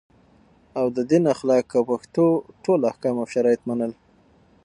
او د دین اخلاق او پښتو ټول احکام او شرایط منل